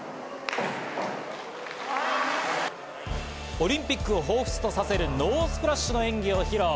オリンピックを彷彿とさせる、ノースプラッシュの演技を披露。